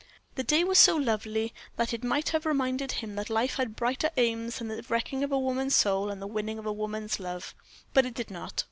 The day was so lovely that it might have reminded him that life had brighter aims than the wrecking of a woman's soul and the winning of a woman's love; but it did not.